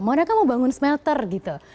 mau mereka mau bangun smelter gitu